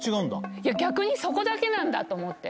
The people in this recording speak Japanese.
いや逆にそこだけなんだって思って。